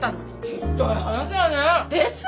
ひっどい話だね。ですよね？